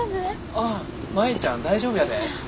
ああ舞ちゃん大丈夫やで。